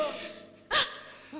あっ！